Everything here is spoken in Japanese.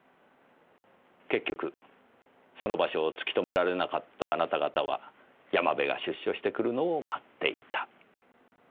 結局その場所を突き止められなかったあなた方は山部が出所してくるのを待っていた。